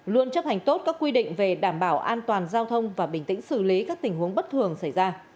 luôn chấp hành tốt các quy định về đảm bảo an toàn giao thông và bình tĩnh xử lý các tình huống bất thường xảy ra